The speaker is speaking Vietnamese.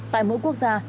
tại mỗi quốc gia